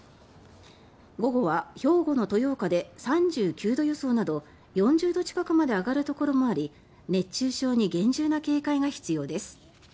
午後は兵庫の豊岡で３９度予想など４０度近くまで上がるところもあり熱中症に厳重な警戒が必要です。